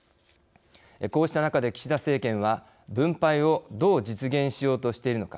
こうした中で岸田政権は分配をどう実現しようとしているのか。